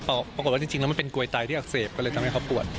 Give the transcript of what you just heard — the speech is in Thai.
ปรากฏว่าจริงแล้วมันเป็นกลวยไตที่อักเสบก็เลยทำให้เขาปวด